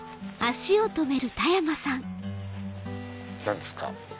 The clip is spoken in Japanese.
何ですか？